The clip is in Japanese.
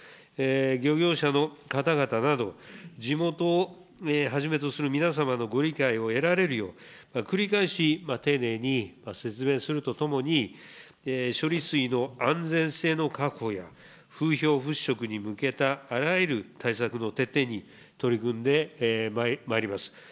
漁業者の方々など、地元をはじめとする皆様のご理解を得られるよう、繰り返し、丁寧に説明するとともに、処理水の安全性の確保や風評払拭に向けたあらゆる対策の徹底に取り組んでまいります。